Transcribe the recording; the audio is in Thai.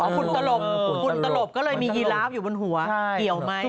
คุณตลบคุณตลบก็เลยมียีราฟอยู่บนหัวเกี่ยวไหม